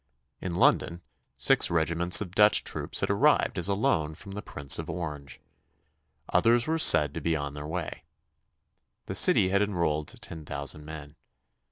In London six regiments of Dutch troops had arrived as a loan from the Prince of Orange. Others were said to be on their way. The City had enrolled ten thousand men.